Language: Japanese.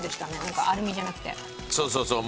そうそうそう！